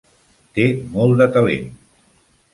Té molt de talent.